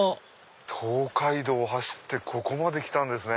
東海道を走ってここまで来たんですね。